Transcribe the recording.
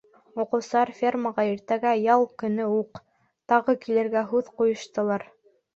Уҡыусылар фермаға иртәгә, ял көнө үк, тағы килергә һүҙ ҡуйыштылар.